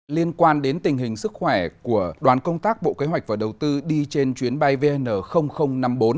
liên quan đến tình hình sức khỏe của đoàn công tác bộ kế hoạch và đầu tư đi trên chuyến bay vn năm mươi bốn